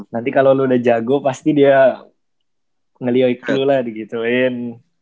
nanti kalo lu udah jago pasti dia ngelio itu lah di gituin